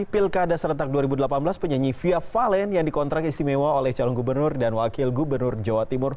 pilkada serentak dua ribu delapan belas penyanyi fia valen yang dikontrak istimewa oleh calon gubernur dan wakil gubernur jawa timur